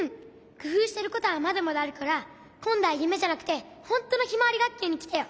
くふうしてることはまだまだあるからこんどはゆめじゃなくてほんとのひまわりがっきゅうにきてよ。